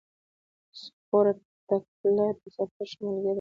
سپوره ټکله د سفر ښه ملګری دی.